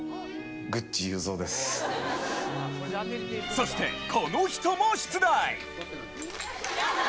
そしてこの人も出題！